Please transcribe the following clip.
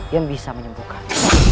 yang bisa menyembuhkan